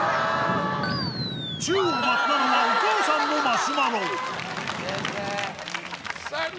宙を舞ったのはお母さんのマシュマロ３２。